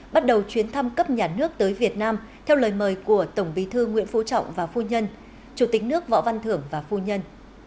bắt đầu chuyến thăm cấp nhà nước tới việt nam theo lời mời của tổng bí thư nguyễn phú trọng và phu nhân chủ tịch nước võ văn thưởng và phu nhân